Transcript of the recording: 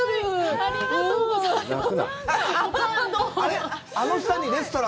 ありがとうございます。